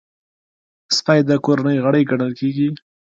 سپي د کورنۍ غړی ګڼل کېږي.